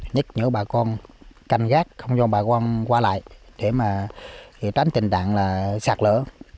nhất nhớ bà con canh gác không cho bà con qua lại để tránh tình trạng sạt lở